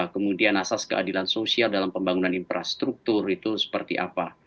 kemudian asas keadilan sosial dalam pembangunan infrastruktur itu seperti apa